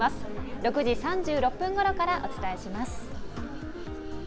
６時３６分ごろからお伝えします。